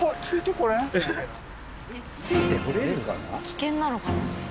危険なのかな？